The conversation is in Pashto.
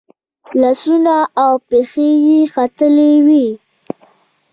لاسونه او پښې یې ختلي وي.